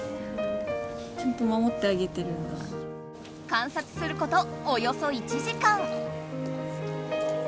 観察することおよそ１時間。